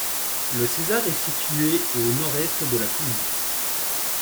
Le Cesar est situé au nord-est de la Colombie.